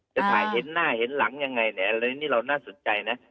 จะถ่ายเห็นหน้าเห็นหลังยังไงเนี่ยอะไรนี่เราน่าสนใจนะ